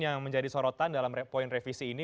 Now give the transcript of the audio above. yang menjadi sorotan dalam poin revisi ini